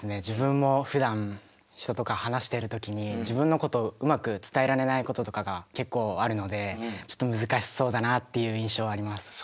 自分もふだん人とか話してる時に自分のことをうまく伝えられないこととかが結構あるのでちょっと難しそうだなっていう印象はあります。